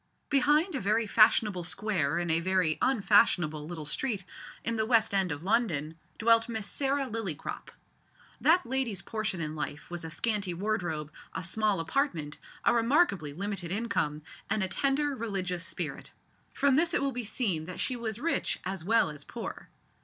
Behind a very fashionable square in a very unfashionable little street, in the west end of London, dwelt Miss Sarah Lillycrop. That lady's portion in this life was a scanty wardrobe, a small apartment, a remarkably limited income, and a tender, religious spirit. From this it will be seen that she was rich as well as poor.